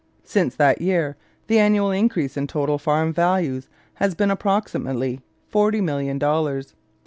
Since that year the annual increase in total farm values has been approximately forty million dollars.